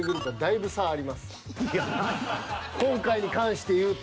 今回に関して言うと。